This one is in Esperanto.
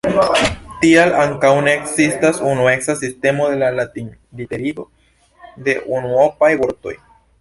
Tial ankaŭ ne ekzistas unueca sistemo de latinliterigo de unuopaj vortoj.